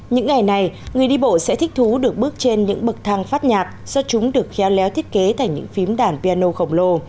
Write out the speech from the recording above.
những ngày này người đi bộ sẽ thích thú được bước trên những bậc thang phát nhạc do chúng được khéo léo thiết kế thành những phím đàn piano khổng lồ